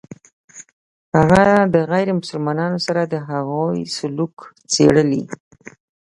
هغه د غیر مسلمانانو سره د هغوی سلوک څېړلی.